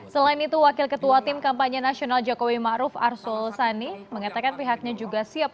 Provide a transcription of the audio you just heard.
selain itu wakil ketua tim kampanye nasional jokowi ⁇ maruf ⁇ arsul sani mengatakan pihaknya juga siap